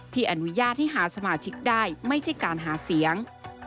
อนุญาตให้หาสมาชิกได้ไม่ใช่การหาเสียง